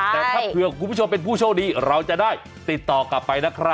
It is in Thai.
แต่พวกคุณผู้ชมเป็นผู้โชว์ดีเราจะได้ติดต่อกลับไปละครับ